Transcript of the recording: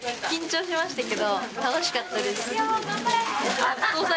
緊張しましたけど楽しかったですよ。